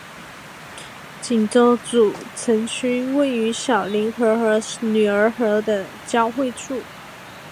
锦州主城区位于小凌河和女儿河的交汇处。